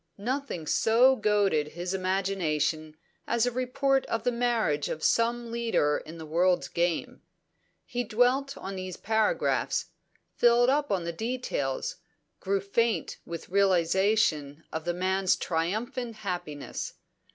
Nothing so goaded his imagination as a report of the marriage of some leader in the world's game. He dwelt on these paragraphs, filled up the details, grew faint with realisation of the man's triumphant happiness.